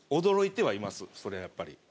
そりゃやっぱり。